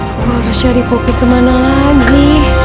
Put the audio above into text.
aku harus cari kopi kemana lagi